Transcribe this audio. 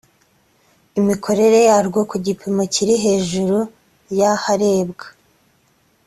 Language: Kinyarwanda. imikorere yarwo ku gipimo kiri hejuru ya harebwa